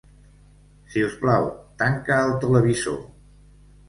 Si us plau, tanca el televisor.